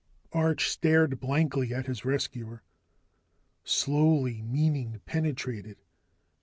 Arch stared blankly at his rescuer. Slowly, meaning penetrated.